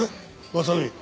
真実。